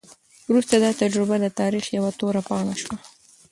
وروسته دا تجربه د تاریخ یوه توره پاڼه شوه.